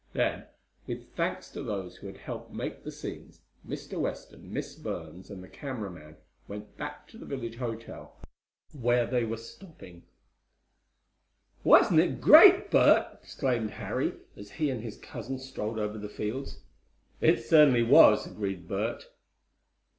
Then, with thanks to those who had helped make the scenes, Mr. Weston, Miss Burns and the camera man went back to the village hotel where they were stopping. "Wasn't it great, Bert!" exclaimed Harry, as he and his cousin strolled over the fields. "It certainly was," agreed Bert.